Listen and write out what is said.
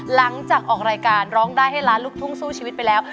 หลังจากออกรายการร้องได้ให้ล้านลูกทุ่งสู้ชีวิตไปแล้ว